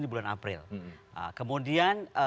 di bulan april kemudian